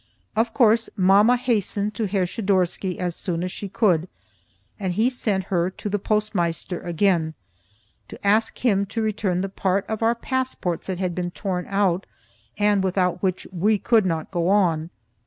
Of course, mamma hastened to Herr Schidorsky as soon as she could, and he sent her to the Postmeister again, to ask him to return the part of our passports that had been torn out, and without which we could not go on.